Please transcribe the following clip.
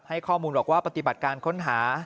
ข้อมูลบอกว่าปฏิบัติการค้นหา